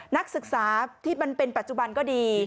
นักศึกษาที่มันเป็นปัจจุบันก็ดี